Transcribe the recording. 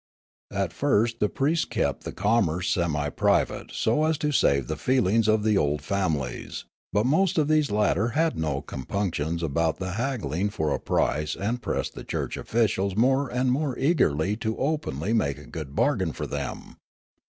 At fixst the priests kept the com merce semi private so as to save the feelings of the old families ; but most of these latter had no compunc tions about the haggling for a price and pressed the church officials more and more eagerly and openly to make a good bargain for them.